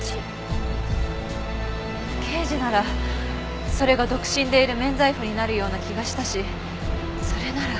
刑事ならそれが独身でいる免罪符になるような気がしたしそれなら。